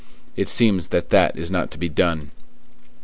It seems that that is not to be done.